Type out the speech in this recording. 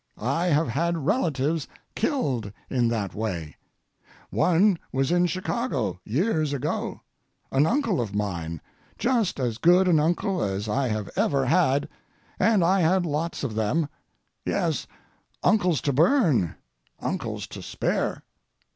I have had relatives killed in that way. One was in Chicago years ago—an uncle of mine, just as good an uncle as I have ever had, and I had lots of them—yes, uncles to burn, uncles to spare.